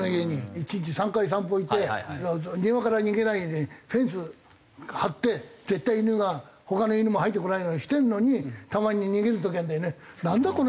１日３回散歩行って庭から逃げないようにフェンス張って絶対犬が他の犬も入ってこないようにしてるのにたまに逃げる時あるんだよね。